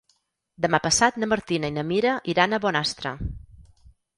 Demà passat na Martina i na Mira iran a Bonastre.